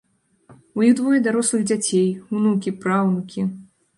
У іх двое дарослых дзяцей, унукі, праўнукі.